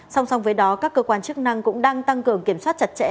song song với đó các cơ quan chức năng cũng đang tăng cường kiểm soát chặt chẽ